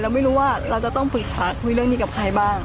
ไม่รู้ว่าเราจะต้องปรึกษาคุยเรื่องนี้กับใครบ้าง